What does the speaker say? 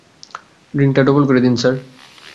ড্রিঙ্কটা double করে দিন।